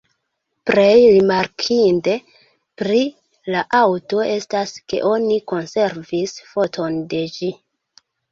Plej rimarkinde pri la aŭto estas ke oni konservis foton de ĝi.